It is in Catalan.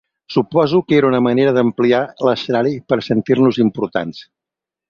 Suposo que era una manera d'ampliar l'escenari per sentir-nos importants.